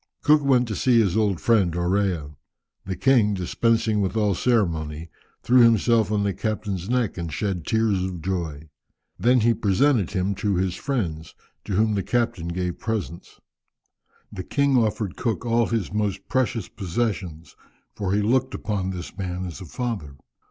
Cook went to see his old friend Orea. The king, dispensing with all ceremony, threw himself on the captain's neck, and shed tears of joy; then he presented him to his friends, to whom the captain gave presents. The king offered Cook all his most precious possessions, for he looked upon this man as a father.